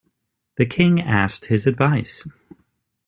The king asked his advice.